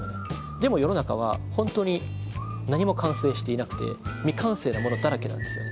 でも世の中は本当に何も完成していなくて未完成なものだらけなんですよね。